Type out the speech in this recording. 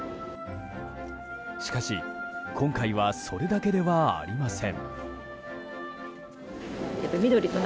しかし今回はそれだけではありません。